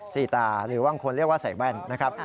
สีตาหรือบางคนเรียกว่าใส่แว่นนะครับ